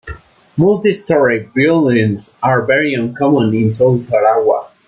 Multi-storey buildings are very uncommon on South Tarawa.